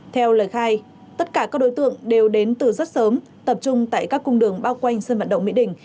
theo lời khai tất cả các đối tượng đều đến từ rất sớm tập trung tại các cung đường bao quanh sân vận động mỹ đình